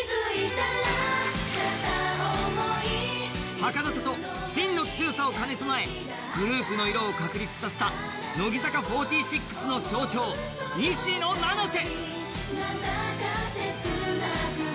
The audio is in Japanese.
はかなさと心の強さを兼ね備え、グループの色を確立させた乃木坂４６の象徴・西野七瀬。